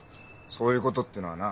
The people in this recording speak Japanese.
そういうことってのはな